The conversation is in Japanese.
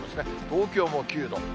東京も９度。